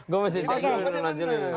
gue masih cek dulu enam belas juli